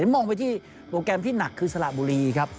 มองไปที่โปรแกรมที่หนักคือสระบุรีครับ